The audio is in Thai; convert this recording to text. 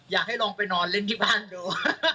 อยากให้ลองไปนอนเล่นที่บ้านดู